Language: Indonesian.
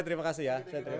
terima kasih ya